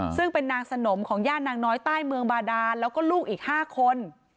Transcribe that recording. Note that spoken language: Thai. ซึ่งเป็นนางสนมของย่านนางน้อยใต้เมืองบาดานแล้วก็ลูกอีก๕คน